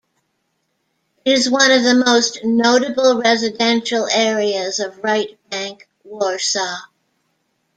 It is one of the most notable residential areas of right-bank Warsaw.